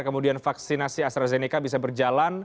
kemudian vaksinasi astrazeneca bisa berjalan